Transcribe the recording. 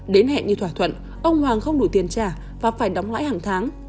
đến hẹn như thỏa thuận ông hoàng không đủ tiền trả và phải đóng lãi hàng tháng